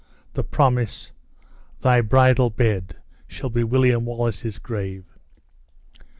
the promise Thy bridal bed shall be William Wallace's grave!"